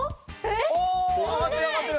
お上がってる上がってる。